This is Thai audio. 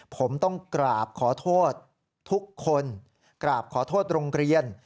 ผมต้องกราบขอโทษทุกคนกราบขอโทษโรงเรียน